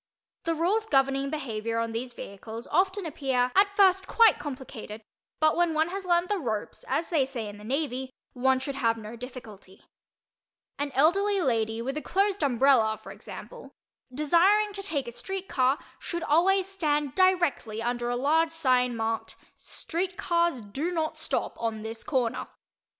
The rules governing behavior on these vehicles often appear at first quite complicated, but when one has learned the "ropes," as they say in the Navy, one should have no difficulty. An elderly lady with a closed umbrella, for example, desiring to take a street car, should always stand directly under a large sign marked "Street Cars Do Not Stop On This Corner."